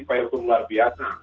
payout pun luar biasa